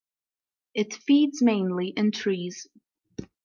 It feeds mainly in trees.